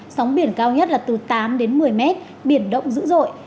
sóng biển cao nhất là từ tám đến một mươi mét biển động dữ dội